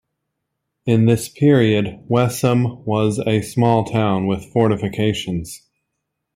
In this period Wessem was a small town with fortifications.